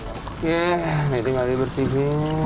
oke ini kali bersihin